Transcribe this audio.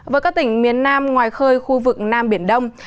với các tỉnh miền nam ngoài khơi khu vực nam biển đông